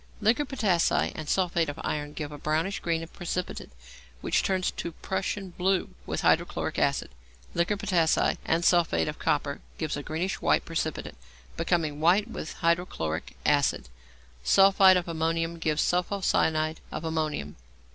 Liquor potassæ and sulphate of iron give a brownish green precipitate, which turns to Prussian blue with hydrochloric acid. Liquor potassæ and sulphate of copper give a greenish white precipitate, becoming white with hydrochloric acid. Sulphide of ammonium gives sulpho cyanide of ammonium.